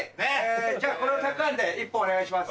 じゃあこのたくあんで１本お願いします。